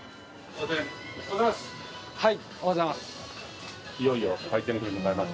おはようございます